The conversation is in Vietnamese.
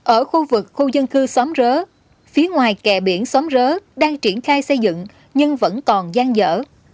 ở khu vực khu dân cư xóm rớ phía ngoài kẻ biển xóm rớ đang triển khai xây dựng nhưng vẫn còn giang dở